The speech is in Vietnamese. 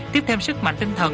tiếp thêm sức mạnh tinh thần